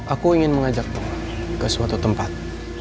aku ingin mengajak ke suatu tempat